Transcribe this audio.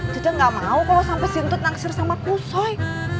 dia gak mau kalo sampe sintut nangisir sama kampusoy